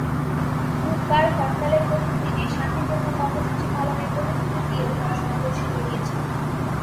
বুধবার হরতালের প্রথম দিনে শান্তিপূর্ণ কর্মসূচি পালনের প্রতিশ্রুতি দিয়েও তাঁরা সংঘর্ষে জড়িয়েছেন।